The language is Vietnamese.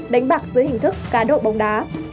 đánh bạc dưới hình thức cá độ bóng đá